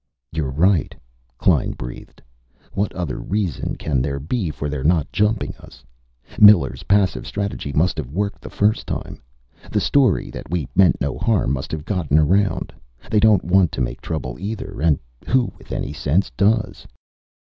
"You're right," Klein breathed. "What other reason can there be for their not jumping us? Miller's passive strategy must've worked the first time. The story that we meant no harm must have gotten around. They don't want to make trouble, either. And who, with any sense does?"